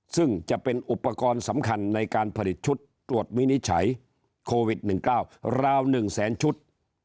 ซึ่งจะเป็นอุปกรณ์สำคัญในการผลิตชุดตรวจวินิจฉัยโควิด๑๙ราว๑แสนชุด